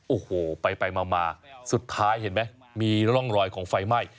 โอ้โหไปมาสุดท้ายเห็นไหมมีร่องรอยของไฟไหม้